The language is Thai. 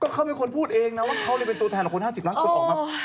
เขาเป็นคนพูดเองนะว่าเขาเป็นตัวแทนของคน๕๐ล้านคนออกมา